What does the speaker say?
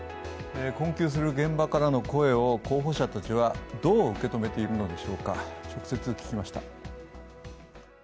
困窮する現場からの声を候補者たちはどう受け止めているのでしょうか直接聞きました。